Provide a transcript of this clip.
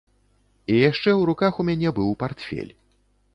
І яшчэ ў руках у мяне быў партфель.